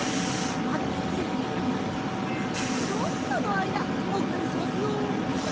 あとでぜったいかえすからちょっとのあいだおかりしますよっと。